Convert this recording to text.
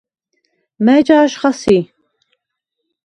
მა̈ჲ ჯაჟხა სი?